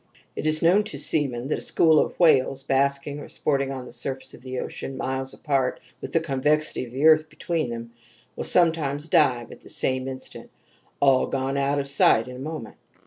"It is known to seamen that a school of whales basking or sporting on the surface of the ocean, miles apart, with the convexity of the earth between them, will sometimes dive at the same instant all gone out of sight in a moment.